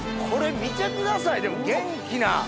これ見てくださいでも元気な。